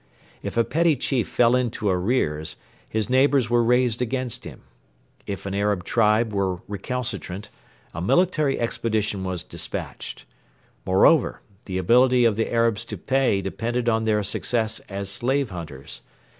If a petty chief fell into arrears, his neighbours were raised against him. If an Arab tribe were recalcitrant, a military expedition was despatched. Moreover, the ability of the Arabs to pay depended on their success as slave hunters.